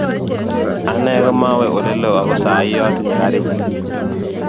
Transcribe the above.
ane komawe olelo ako saii atinye karit